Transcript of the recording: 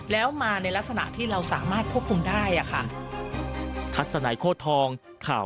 แล้วมาในลักษณะที่เราสามารถควบคุมได้ค่ะ